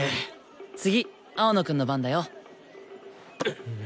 次青野くんの番だよ。